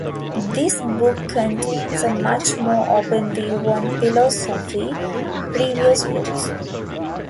This book contains a much more open view on philosophy previous books.